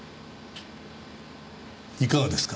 いかがですか？